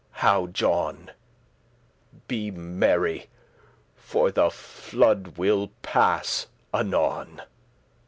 How, John? *call Be merry: for the flood will pass anon.